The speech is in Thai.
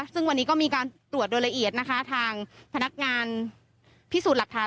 ซึ่งวันนี้ก็มีการตรวจโดยละเอียดนะคะทางพนักงานพิสูจน์หลักฐาน